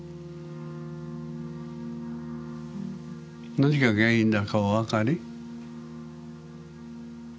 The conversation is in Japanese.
何が原因だかおわかり？